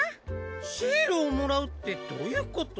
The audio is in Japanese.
シールをもらうってどういうこと？